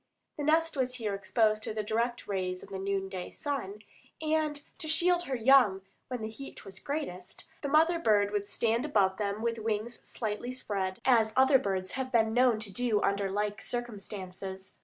The nest was here exposed to the direct rays of the noon day sun, and to shield her young when the heat was greatest, the mother bird would stand above them with wings slightly spread, as other birds have been know to do under like circumstances.